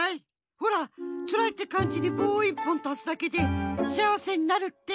ほら「辛い」ってかんじにぼうをいっぽんたすだけで「幸せ」になるって。